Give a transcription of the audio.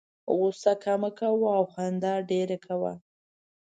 غوسه کمه کوه او خندا ډېره کوه.